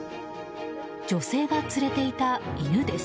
女性が連れていた犬です。